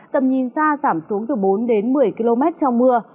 tầm nhìn xa giảm xuống từ bốn đến một mươi km trong mưa